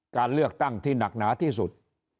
การเลือกตั้งที่หนักหนาที่สุด